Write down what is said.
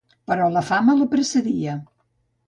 Però la fama la precedia.